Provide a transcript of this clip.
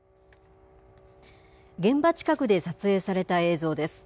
現場近くで撮影された映像です。